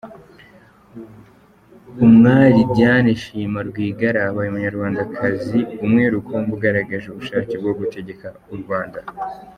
Umwali Diane Shima Rwigarara abaye umunyarwandakazi umwe rukumbi ugaragaje ubushake bwo gutegeka u Rwanda.